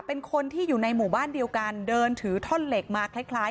เป็นคนที่อยู่ในหมู่บ้านเดียวกันเดินถือท่อนเหล็กมาคล้ายคล้าย